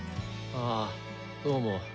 はあどうも。